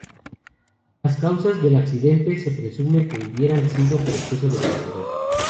Las causas del accidente se presume que hubieran sido por exceso de velocidad.